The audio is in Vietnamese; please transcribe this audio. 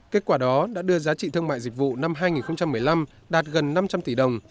kết quả đó đã đưa giá trị thương mại dịch vụ năm hai nghìn một mươi năm đạt gần năm trăm linh tỷ đồng